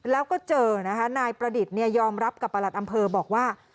แล้วก็เจอนะคะนายประดิษฐ์ยอมรับกับประหลัดอำเภอบอกว่า